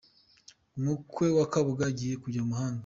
Umukwe wa Kabuga agiye kujya mumahanga